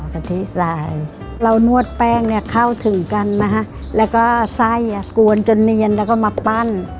กะทิสายเรานวดแป้งเนี่ยเข้าถึงกันนะคะแล้วก็ไส้อ่ะกวนจนเนียนแล้วก็มาปั้น